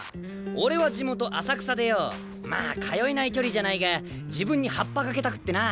俺は地元浅草でよまあ通えない距離じゃないが自分にハッパかけたくってな。